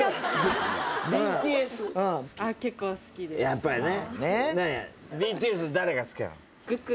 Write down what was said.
やっぱりね。